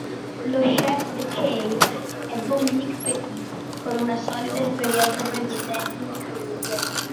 Lo "chef de cave" è Dominique Petit, con una solida esperienza precedente in Krug.